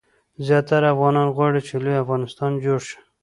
زیاتره افغانان غواړي چې لوی افغانستان جوړ شي.